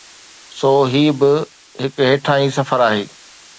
سو هي به هڪ هيٺاهين سفر آهي.